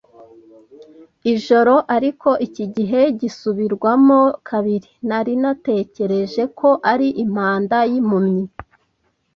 ijoro, ariko iki gihe gisubirwamo kabiri. Nari natekereje ko ari impanda y'impumyi,